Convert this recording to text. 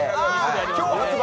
今日発売！